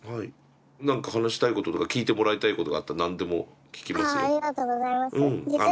何か話したいこととか聞いてもらいたいことがあったら何でも聞きますよ。